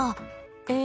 え